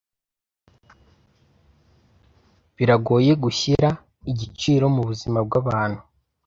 Biragoye gushyira igiciro mubuzima bwabantu.